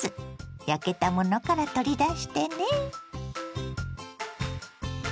焼けたものから取り出してね。